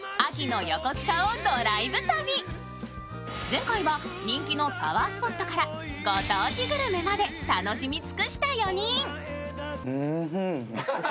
前回は人気のパワースポットからご当地グルメまで楽しみ尽くした４人。